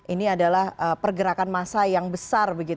ini adalah pergerakan massa yang besar